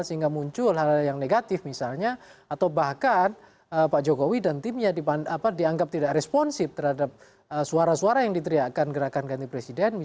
sehingga muncul hal hal yang negatif misalnya atau bahkan pak jokowi dan timnya dianggap tidak responsif terhadap suara suara yang diteriakan gerakan ganti presiden